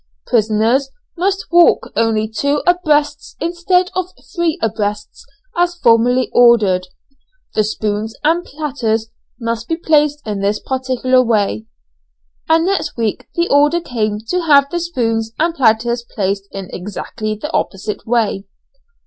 "Prisoners must walk only two abreast instead of three abreast, as formerly ordered." "The spoons and platters must be placed in this particular way." And next week the order came to have the spoons and platters placed in exactly the opposite way!